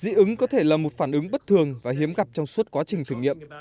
dị ứng có thể là một phản ứng bất thường và hiếm gặp trong suốt quá trình thử nghiệm